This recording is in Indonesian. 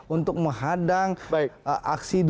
untuk menghadang aksi dua ribu sembilan belas